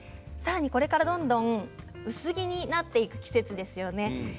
さらに、これからどんどん薄着になっていく季節ですよね。